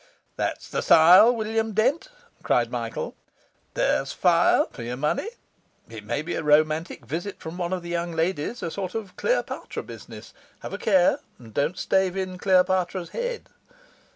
'That's the style, William Dent' cried Michael. 'There's fire for your money! It may be a romantic visit from one of the young ladies a sort of Cleopatra business. Have a care and don't stave in Cleopatra's head.